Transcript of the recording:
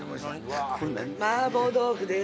麻婆豆腐でーす。